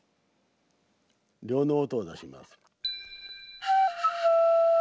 呂の音を出します。